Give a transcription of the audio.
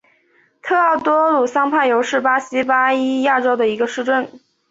特奥多鲁桑帕尤是巴西巴伊亚州的一个市镇。